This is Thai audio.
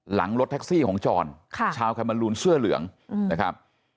หลังรถแท็กซี่ของจรชาวแคมารูนเสื้อเหลืองนะครับ